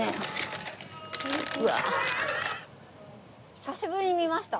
久しぶりに見ました。